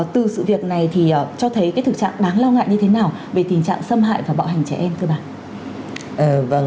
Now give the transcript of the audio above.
từ sự việc này cho thấy thực trạng đáng lo ngại như thế nào về tình trạng xâm hại và bạo hành trẻ em